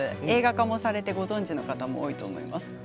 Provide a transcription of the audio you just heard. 映画化もされてご存じの方も多いと思います。